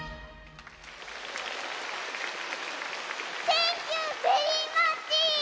センキューベリーマッチ！